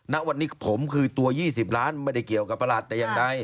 ณวันนี้ผมคือตัว๒๐ล้านไม่ได้เกี่ยวกับประหลัดแต่อย่างใด